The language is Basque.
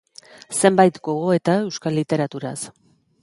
Zenbait gogoeta euskal literaturaz.